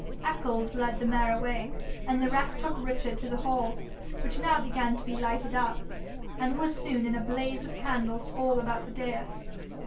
Eccles led the mare away, and the rest took Richard to the hall, which now began to be lighted up, and was soon in a blaze of candles all about the dais.